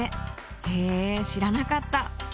へえ知らなかった！